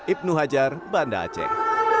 ibnu hajar banda aceh